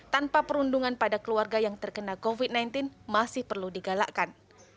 tanpa perundungan pada keluarga yang terkena covid sembilan belas masih perlu digalakkan